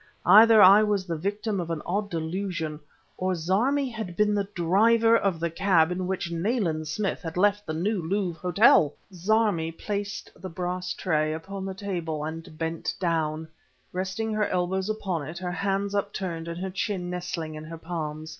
Either I was the victim of an odd delusion, or Zarmi had been the driver of the cab in which Nayland Smith had left the New Louvre Hotel! Zarmi place the brass tray upon the table and bent down, resting her elbows upon it, her hands upturned and her chin nestling in her palms.